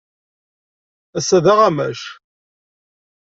Ass-a d aɣamac.